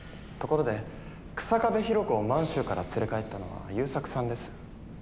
ところで草壁弘子を満洲から連れ帰ったのは優作さんです。